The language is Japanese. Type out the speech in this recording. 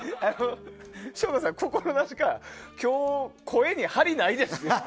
省吾さん、心なしか今日声に張りないですよ。